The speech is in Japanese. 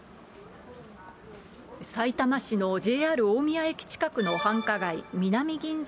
さいたま市のＪＲ大宮駅近くの繁華街、みなみぎんざ